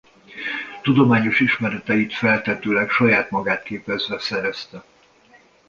Tudományos ismereteit feltehetőleg saját magát képezve szerezte.